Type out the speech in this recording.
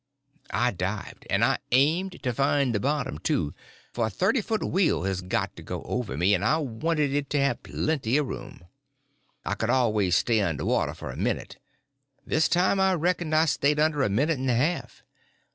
I dived—and I aimed to find the bottom, too, for a thirty foot wheel had got to go over me, and I wanted it to have plenty of room. I could always stay under water a minute; this time I reckon I stayed under a minute and a half.